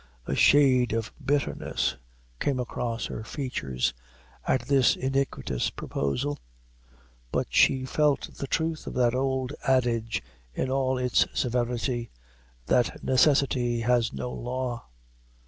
A shade of bitterness came across her features at this iniquitous proposal; but she felt the truth of that old adage in all its severity, that necessity has no law.